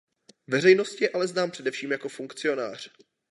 Veřejnosti je ale znám především jako funkcionář.